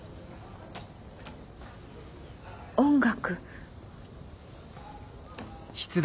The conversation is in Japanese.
音楽。